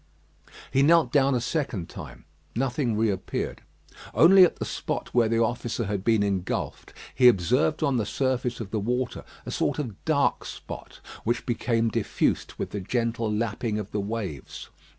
He knelt down a second time. Nothing reappeared. Only at the spot where the officer had been engulfed, he observed on the surface of the water a sort of dark spot, which became diffused with the gentle lapping of the waves.